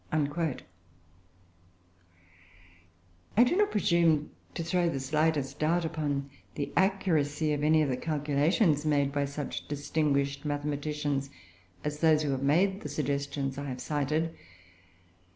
" [Footnote 19: Ibid.] I do not presume to throw the slightest doubt upon the accuracy of any of the calculations made by such distinguished mathematicians as those who have made the suggestions I have cited.